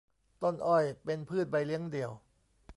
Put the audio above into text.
ต้นอ้อยเป็นพืชใบเลี้ยงเดี่ยว